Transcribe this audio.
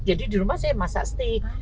jadi di rumah saya masak steak